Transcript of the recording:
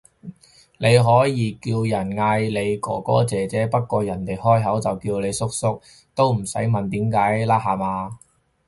你可以叫人嗌你哥哥姐姐，不過人哋開口就叫你叔叔，都唔使問點解啦下話